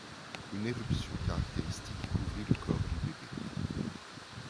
Une éruption caractéristique couvrit le corps du bébé.